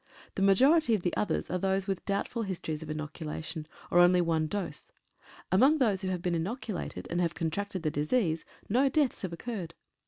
The majority of the others are those with doubtful histories of inoculation, or only one dose. Among those who have been inoculated, and have contracted the disease, no deaths have occurred.